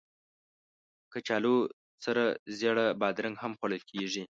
کچالو سره زېړه بادرنګ هم خوړل کېږي